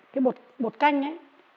cái bột canh ấy